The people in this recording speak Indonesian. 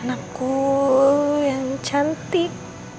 anakku yang cantik